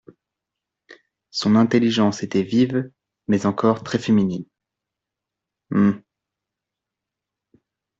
Son intelligence était vive, mais encore très féminine.